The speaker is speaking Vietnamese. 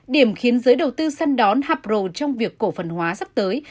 điểm khiến giới đầu tư săn đón hapro trong việc cổ phần hóa sắp tới